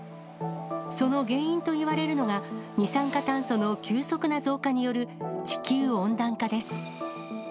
その原因といわれるのが、二酸化炭素の急速な増加による地球温暖化です。